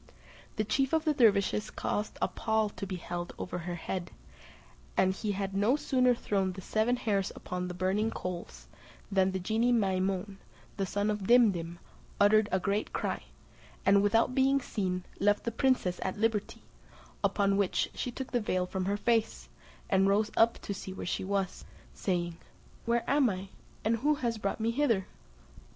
The chief of the dervises caused a pall to be held over her head, and he had no sooner thrown the seven hairs upon the burning coals, than the genie Maimoun, the son of Dimdim, uttered a great cry, and without being seen, left the princess at liberty; upon which, she took the veil from her face, and rose up to see where she was, saying, "Where am I, and who brought me hither?"